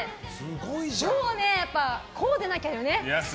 もうね、こうでなきゃよね。